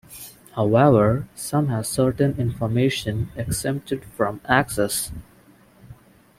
However some have certain information exempted from access.